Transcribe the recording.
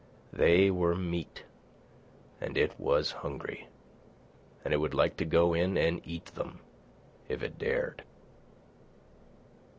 They were meat, and it was hungry; and it would like to go in and eat them if it dared.